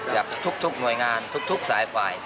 จากทุกหน่วยงานทุกสายฝ่าย